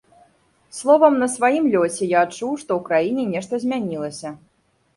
Словам, на сваім лёсе я адчуў, што ў краіне нешта змянілася.